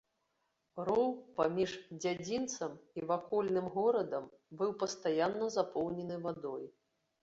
Роў паміж дзядзінцам і вакольным горадам быў пастаянна запоўнены вадой.